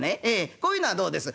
こういうのはどうです？